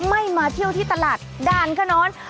ไม่มาเที่ยวที่ตลาดด่านขนอน